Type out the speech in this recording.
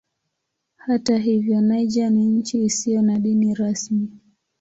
Hata hivyo Niger ni nchi isiyo na dini rasmi.